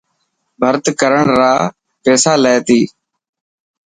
ڀرت ڪرڻ را پيسالي تي.